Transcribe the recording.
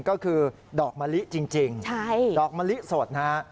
ก็คือดอกมะลิจริงดอกมะลิสดนะฮะ